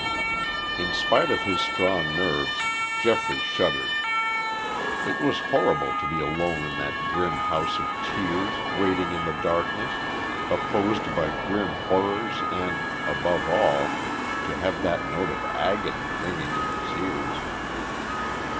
In spite of his strong nerves, Geoffrey shuddered. It was horrible to be alone in that grim house of tears, waiting in the darkness, opposed by grim horrors and, above all, to have that note of agony ringing in his ears.